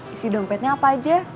isi dompetnya apa aja